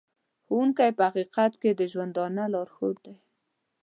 ښوونکی په حقیقت کې د ژوندانه لارښود دی.